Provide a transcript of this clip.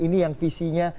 ini yang visinya